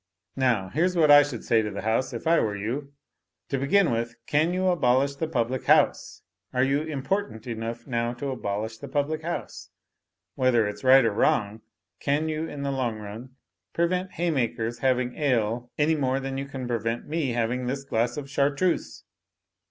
Now, here's what I should say to the House, if I were you. To begin with, can you abolish the public house? Are you important enough now to abolish the public house ? Whether it's right or wrong, can you in the long run prevent ha)miakers having ale any more than you can prevent me having this glass of Chartreuse?"